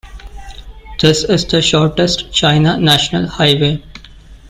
This is the shortest China National Highway.